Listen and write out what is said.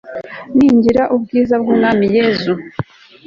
nigin'ubwiza bw'umwami yezu